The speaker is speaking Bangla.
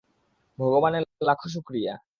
ভগবানের লাখো শোকরিয়া!